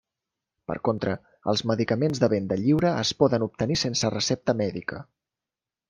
Per contra, els medicaments de venda lliure es poden obtenir sense recepta mèdica.